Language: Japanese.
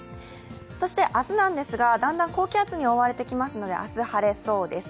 そして明日なんですが、だんだん高気圧に覆われてきますので明日、晴れそうです。